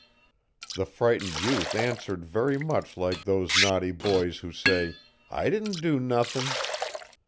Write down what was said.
The frightened youth answered very much like those naughty boys who say "I didn't do nothing!"